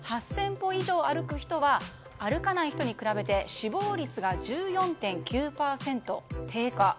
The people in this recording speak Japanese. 歩以上歩く人は歩かない人に比べて死亡率が１４．９％低下。